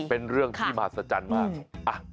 เป็นเรื่องที่มหัศจรรย์มาก